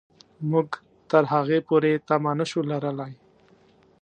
موږ تر هغې پورې تمه نه شو لرلای.